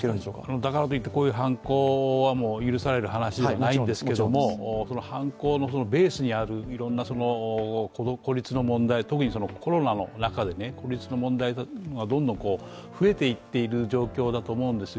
だからといってこういう犯行は許される話ではないんですけれども、犯行のベースにあるいろいろな孤立の問題特にコロナの中で孤立の問題がどんどん増えている状況だと思うんですよ。